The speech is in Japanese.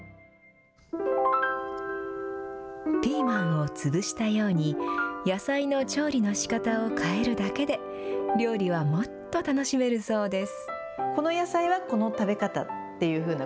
ピーマンを潰したように、野菜の調理のしかたを変えるだけで、料理はもっと楽しめるそうです。